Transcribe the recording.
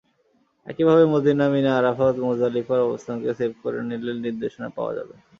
একইভাবে Medina, Mina, Arafat, মুজদালিফার অবস্থানকে সেভ করে নিলে নির্দেশনা পাওয়া যাবে।